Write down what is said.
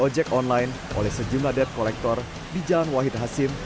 ojek online oleh sejumlah debt collector di jalan wahid hasim